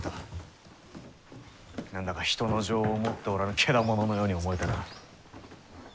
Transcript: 何だか人の情を持っておらぬケダモノのように思えてな。